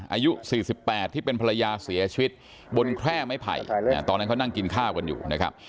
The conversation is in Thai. อายุ๔๘ที่เป็นภรรยาเสียชีวิตบนแคร่ไม้ไผ่ตอนนั้นเขานั่งกินข้าวกันอยู่นะครับ